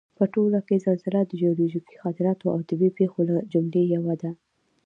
په ټوله کې زلزله د جیولوجیکي خطراتو او طبعي پېښو له جملې یوه ده